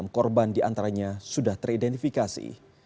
enam korban di antaranya sudah teridentifikasi